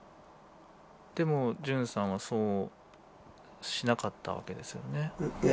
でも純さんはそうしなかったわけですよね。